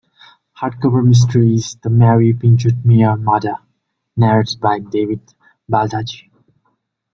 "Hardcover Mysteries": "The Mary Pinchot Meyer Murder", narrated by David Baldacci.